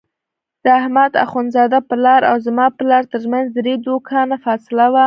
د احمد اخوندزاده پلار او زما پلار ترمنځ درې دوکانه فاصله وه.